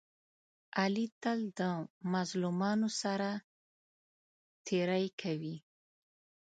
علي تل د مظلومانو سره تېری کوي.